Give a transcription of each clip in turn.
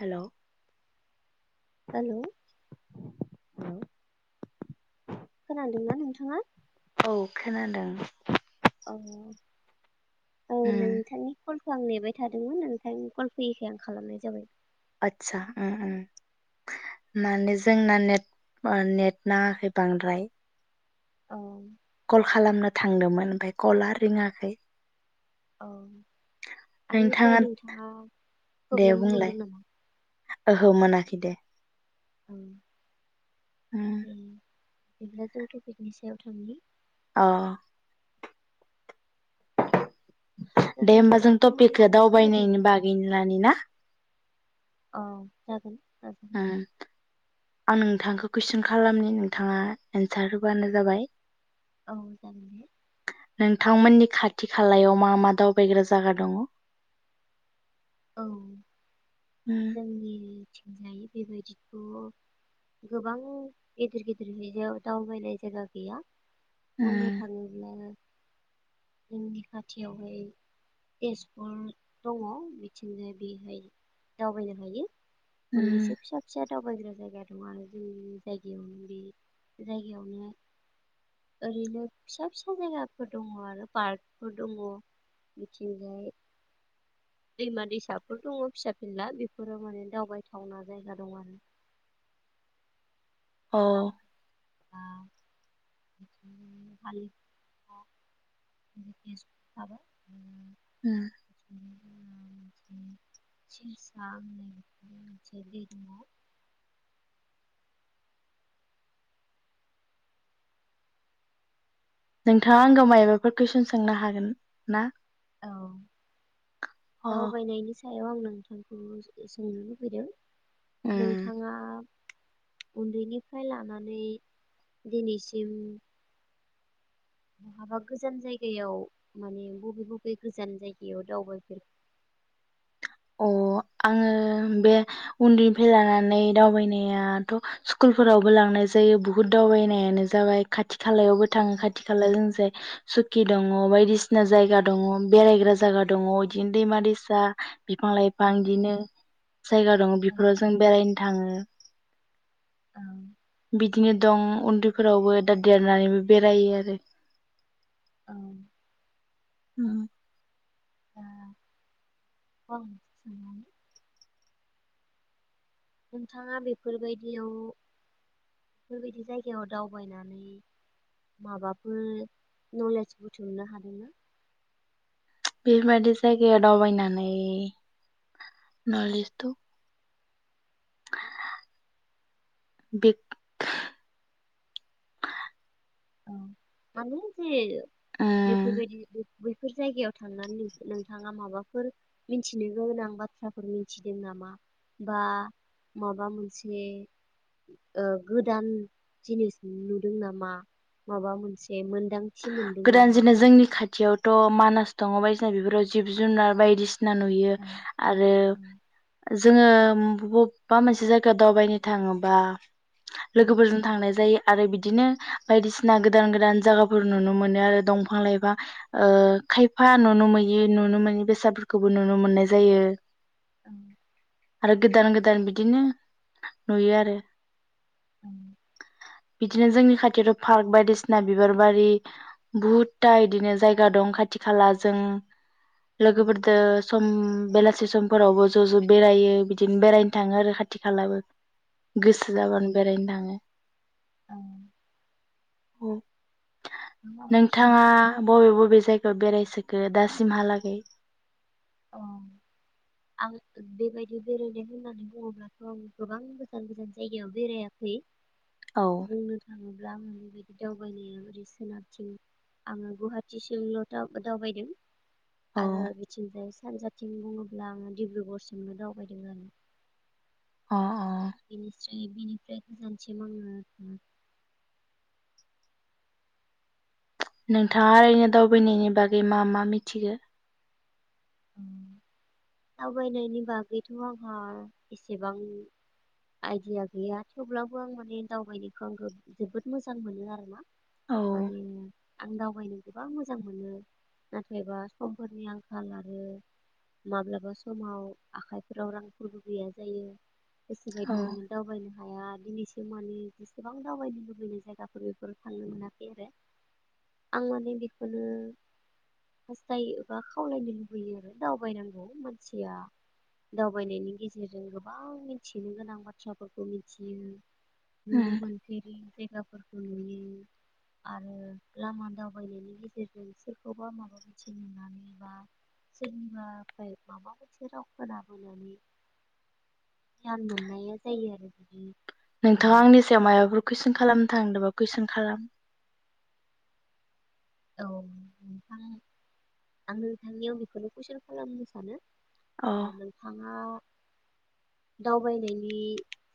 Hello hello खोनादोंना नोंथाङा औ खोनादों औ औ उम नोंथांनि कल खौ आं नेबाय थादोंमोन नोंथांनि कल फैयैखाय आं खालामनाय जाबाय आथसा उम उम माने जोंना नेट नेट नाङाखै बांद्राय औ कल खालामनो थांदोंमोन ओमफ्राय कलाआ रिङाखै औ आंनिफ्राय नोंथाङा दे प्रब्लेम बुंलाय मोनदों नामा ओहो मोनाखै दे [unintelligible] उम उम बेदिब्ला जों थपिकनि सायाव थांनि अ दे होमबा जों टपिकखौ दावबायनायनि बागैनो लानि ना अ जागोन जागोन उम आं नोंथांखौ कुइसन खालामनि नोंथाङा एन्सार होबानो जाबाय औ जागोनदे नोंथांमोननि खाथि खालायाव मा मा दावबायग्रा जायगा दंङ औ उम जोंनि थिं जायि बेबायदिथ गोबां गेदेर गेदेर [unintelligible] दावबायनाय जायगा गैया बुंनो उम थाङोल्बा जोंनि खाथियावहाय तेजपुर दंङ बिथिंनो बेहाय दावबायनो हायो उम मोननैसो फिसा फिसा दावबायग्रा जायगा दं आरो जोंनि जायगायावनो बे जायगायावनो ओरैनो फिसा फिसा जायगाफोर दंङ आरो पार्कफोर दंङ बिथिंजाय दैमा दैसाफोर दङ फिसा फिला बेफोराव माने दावबायथावना जायगा दं आरो औ [unintelligible] [unintelligible] होम [unintelligible] मोनसे दैमा नोंथांङा आंगौ मायबाफोर कुइसन सोंनो हागोन ना? औ अ दावबायनायनि सायाव आं नोंथांखौ सोंनो लुबैदों। नोंथांङा उन्दैनिफ्राय लानानै दिनैसिम हाबा गोजान जायगायाव माने बबे बबे गोजान जायगायाव दावबायफेर अ आंङो बे उन्दैनिफ्राय लानानै दावबायनायाथ स्कुलफोरावबो लांनाय जायो बुहुद दावबायनायानो जाबाय खाथि खालायावबो थांङो खाथि खालायाव जों जाय सुकि दंङ बायदिसिना जायगा दंङ बेरायग्रा जागा दंङ बिदिनो दैमा-दैसा मालाय फांदिनो जायगा दंङ बेफोराव जों बेरायनो थांङो। बिदिनो दं उन्दैफोरावबो दा देरनानैबो बेरायो आरो। औ उम ओं [unintelligible] नोंथांङा बेफोरबायदियाव बेफोरबायदि जायगायाव दावबायनानै माबाफोर नलेज बुथुमनो हादोंना? बिबायदि जायगायाव दावबायनानानै नलेसथ [unintelligible] अ माने जे ओ बेफोर बायदि बैफोर जायगायाव थांनानै नोंथांङा माबाफोर मिथिनो गोनां बाथ्राफोर मिथिदों नामा? बा माबा मोनसे गोदान जिनिस नुदों नामा? माबा मोनसे मोनदां गोदान जेने जोंनि खाथियावथ मानास दंङ बायसिना बेफोराव जिब जुनार बायदिसि ना नुयो आङो आरो जोंङो बब बा मोनसे जायगायाव दावबायनो थांङोबा लोगोफोरजों थांनाय जायो आरो बिदिनो बायदिसिना गोदान गोदान जायगाफोर नुनो मोन यो आरो दंफां लाइफां ओ खायफा नुनो मोयै नुनो मोनै बेसादफोरखौबो नुनो मोननाय जायो। ओं आरो गोदान गोदान बिदिनो नुयो आरो बिदिनो जोंनि खाथियावथ पार्क बायदिसिना बिबार बारि बुहुतथा इदिनो जायगा दं खाथि खाला जों लोगोफोरदो सम बेलासि समफोरावबो ज' ज'बेरायो बिदिनो बेरायनो थांङो आरो खाथि खालाबो। गोसो जाब्लानो बेरायनो थांङो। ओव माबाफोर नोंथांङा सोंनो बबे बबे जाय बेरायसोखो दासिमहालागै? औ आं बेबायदि बेरायनो होननानै बुंङोब्लाथ आं गोबां गोजान गोजान जायगायाव बेरायाखै। औ बुंनो थांङो ब्लाम बे बायदि दावबायनाया ओरै सोनाबथिं आंङो गुवाहाटिसिमल' दाव दावबायदों। औ आरो बेथिंजाय सानजाथिं बुङोब्ला आङो डिब्रुगरसिमनो दावबायदों आरो। अ। अ [unintelligible] बिनिफ्राय गोजानसिम आङो थाङा नोंथाङा ओरैनो दावबायनायनि बागै मा मा मिथिगो? दावबायनायनि बागैथ' आंहा एसेबां आइडिया गैया थेवब्लाबो आं माने दावबायनायखौ आं जोबोद मोजां मोनो आरोना। औ माने आं दावबायनो गोबां मोजां मोनो नाथायबा समफोरनि आंखाला आरो माब्लाबा समाव आखाइफोराव रांफोरबो गैया जायो। औ गोसोबायदि माने दावबायनो हाया दिनैसिम माने जेसेबां दावबायनो लुबैनाय जायगाफोर बेफोर थांनो मोनाखै आरो आं माने बेखौनो हास्थायो बा खावलायनो लुबै लुबैयो आरो दावबायनांगौ मानसिया दावबायनायनि गेजेरजों गोबां मिथिनो गोनां बाथ्राफोरखौ मिथियो। उम नुनो मोनफेरि जायगा फोरखौ नुयो आरो लामा दावबायनायनि गेजेरजों सोरखौबा माबा मिथिनानै बा सोरनिबाफ्राय माबा मोनसे राव खोनाबोनानै गियान मोननाया जायो आरो बिदि ओ नोंथाङा आंनि सायाव माइबाफोर कुइसन खालाम थांदोबा कुइसन खालाम औ नोंथां आं नोंथांनियाव बेखौनो कुइसन खालामनो सानो अ आ नोंथाङा दावबायनायनि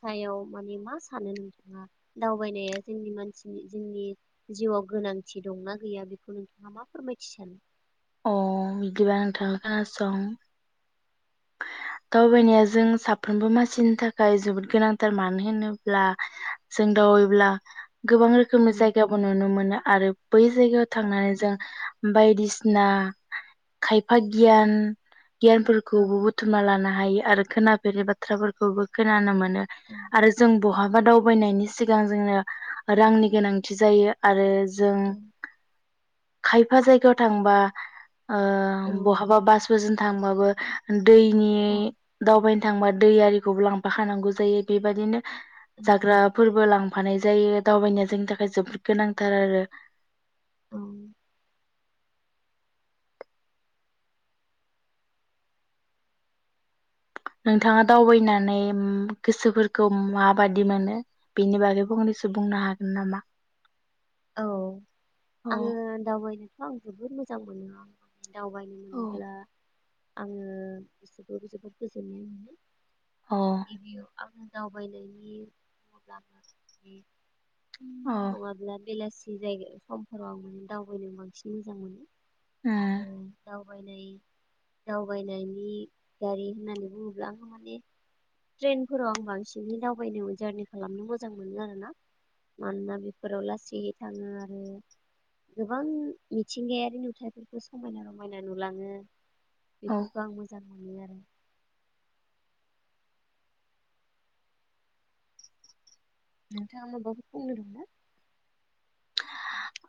सायाव माने मा सानो नोंथाङा दावबायनाया जोंनि मानसिनि जोंनि जिउआव गोनांथि दंना गैया बेखौ नोंथाङा मा फोरमायथि सानो? अ बिदिबा नोंथाङा खोनासं। दावबायनाया जों साफ्रोमबो मानसिनि थाखाय जोबोद गोनांथार मानो होनोब्ला जों दावबायला गोबां रोखोमनि उम जायगाबो नुनो मोनो आरो बै जायगायाव औ थांनानै जों बायदिसिना खायफा गियान गियान खौबो औ बुथुमना लाना हायो आरो खोनाफेरै बाथ्राफोरखौबो खोनानो मोन नो आरो जों बहा दावबायनायनि सिगां जोंनो रांनि गोनांथि जायो आरो जों औ खायफा जायगायाव थांबा ओ औ बहाबा बास बोजोन थांबाबो दैनि औ दावबाय थांबा दै आरिखौबो लांफाखानांगौ जायो बेबायदिनो औ जाग्राफोरबो लांफानाय जायो दावबायनाया जोंनि थाखाय जोबोद गोनांथार आरो। औ नोंथाङा दावबायनानै गोसोफोरखौ माबादि मोनो बेनि बागै फंनैसो बुंनो हागोन नामा? औ औ आङो दावबाय थ आं जोबोद मोजां मोनो। दावबायनो औ मोनब्ला आङो गोसोखौबो जोबोद गोजोननाय मोनो। औ आ गिबियाव आङो दावबायनायनि मुलाम्फानि [unintelligible] बेलासि जायगा समफोराव आं माने दावबायनो बांसिन मोजां मोनो। उम आरो दाव दावबायनाय दावबायनायनि गारि होननानै बुङोब्ला आङो माने ट्रेनफोराव आं बांसिनहै दावबायनो जारनि खालामनो मोजां मोनो आरोना मानोना बेफोराव लासै यै थाङो आरो गोबां मिथिंगायारि नुथाइफोरखौ समायना रमायना नुलाङो। औ बेफोरखौ आं मोजां मोनो आरो। नोंथाङा माबाफोर बुंनो दं ना?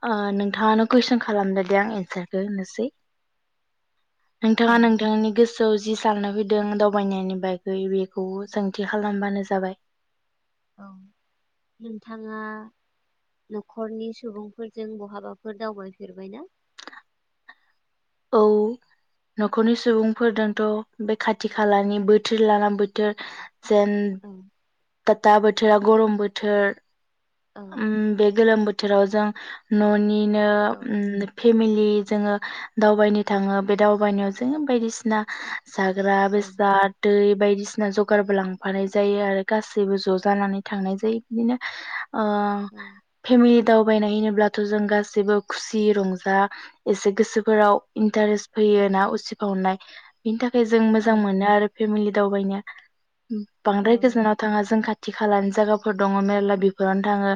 ओ नोंथाङानो कुइसन खालामदो दे आं एन्सारखौ होनोसै। औ नोंथाङा नोंथांनि गोस जौ जि साननो फैदों दावबायनायनि बागै बेखौ सोंथि खालामबानो जाबाय। औ नोंथाङा न'खरनि सुबुंफोरजों बहाबाफोर दावबायफेरबायना? औ न'खरनि सुबुंफोरदोंथ' बे खाथि खालानि बोथोर लाना बोथोर जेन औ तता बोथोरा गरम बोथोर। औ उम बे गोलोम बो थोरावजों न'नि नो औ उम फेमि [unintelligible] जोङो दावबायनो थाङो बे दावबायनायाव जोङो बायदिसिना जाग्रा औ बेसाद दै बायदिसिना जगारबो लांफानाय जायो आरो गासैबो ज' जानानै थांनाय जायो बिदिनो ओं औ फेमि दावबायनाय होनोब्लाथ' जों गासैबो खुसि रंजा एसे गोसोफोराव इन्टारेस्ट औ फैयो ना उसिफावनाय। [unintelligible] जों औ मोजां मोनो आरो फेमिलि दावबाय नो। बांद्राय गोजानाव थाङा जों खाथ थि खालानो जायगाफोर दङ मेरला बे फोरावनो थाङो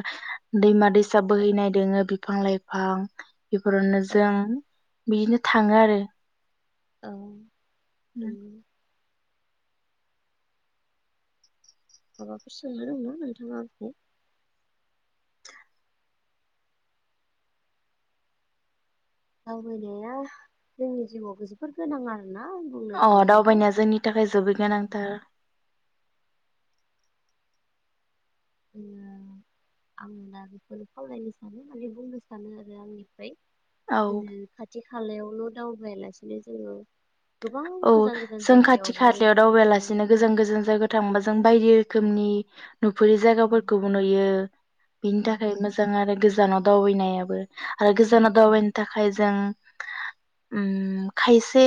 दैमा दै सा औ बोहैनाय दोङो बिफां लाइफां बेफोरावनो जों बिदिनो थाङो आरो। औ [inaudible] उम। माबाफोर सोंनो दंना नोंथाङा आंखौ? दावबायनाया जोंनि जिउआवबो जोबोर गोनां आर अ दावबायनाया जोंनि थाखाय जोबोद गोनांथार। उम आं दा बेखौनो खावलायनो सानो माने बुंनो सानो आरो आंनिफ्राय। औ बिदिनो खाथि खालायावल' दावबायालासिनो जोङो गोबां औ गोजान गोजान जों खाथि जायगायावबो खालायाव जुदि दावबायलासिनो गोजान गोजान जायगायाव थांबा जों बायदि औ रोखोमनि नुफिरि जायगाफोरखौबो नुयो। औ बिनि थाखाय मोजां आरो गोज जानाव दावबायैनायाबो। आरो औ गोजानाव दावबायनो थाखाय जों [inaudible] उम खायसे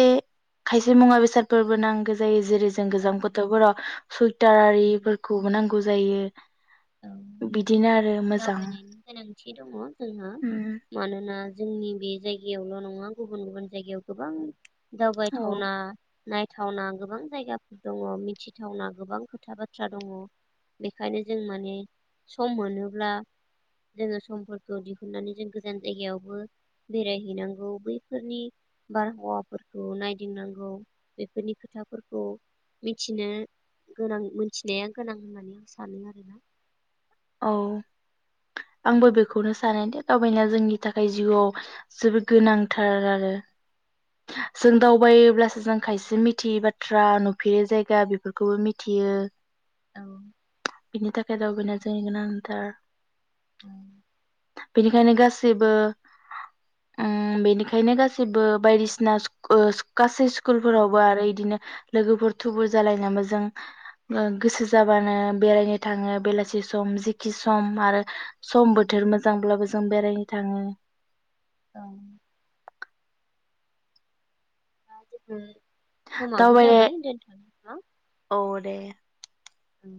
खायसे मुवा बेसादफोरबो नांगो जायो। जेरै जों गोजां औ बोथोरफोराव उम, सुइटारारिफोरखौ नांगौ। जायो। औ बिदिनो आरो मोजां दावबायनायनि गोनांथि दङ' जोंहा उम मानोना जोंनि बे जाय इयावल नङा गुबुन गुबुन जायगायाव गोबां दावबायथावना नायथावना गोबां जायगाफोर दङ मिथिथावना गोबां खोथा बाथ्रा दङ। बेखायनो जों माने सम मोनो ब्ला जोङो समफोरखौ दिहुननानै जों गोजान जायगायावबो बेरायहैनांगौ बैफोरनि बारहावाफोरखौ नायदिंनांगौ बेफोरनि खोथाफोरखौ मिथिनो गोनां मिथिनाया गोनां होननानै आं सानो आरोना। औ। आंबो बेखौनो सानोदि दावबायनाया जोंनि थाखाय जिउआव जोबोद गोनांथार आरो। जों दावबायोब्लासो जों खायसे मिथियै बाथ्रा नुफेरो जायगा बेफोरखौबो मिथियो। औ [inaudible] बिनि था जा दावबायना जोंनि गोनांथार औ बेनिखायनो गासैबो [inaudible] उम बेनिखायनो गासैबो बायदिसिना सुख सुख ओ गासै सुख कुल औ फोरावबो आरो इदिनो लोगोफोर थुबुर जालायनाबो जों ओ गोसो जाबानो बेरायनो थाङो बेलासि सम सम जिखि सम आरो सम औ बोथोर मोजांब्लाबो जो जों बेरायनो थाङो। ओं [unintelligible] समाबो दावबाय जाबाय दोनथनि नामा? औ दे। उम